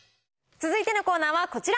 続いてのコーナーはこちら。